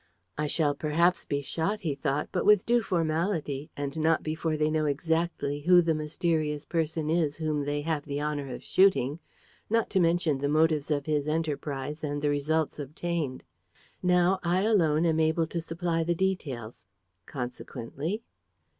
"I shall perhaps be shot," he thought, "but with due formality and not before they know exactly who the mysterious person is whom they have the honor of shooting, not to mention the motives of his enterprise and the results obtained. Now I alone am able to supply the details. Consequently